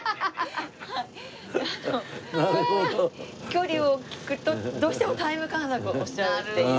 距離を聞くとどうしてもタイム換算をしちゃうっていう。